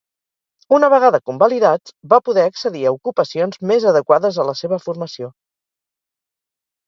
Una vegada convalidats, va poder accedir a ocupacions més adequades a la seva formació.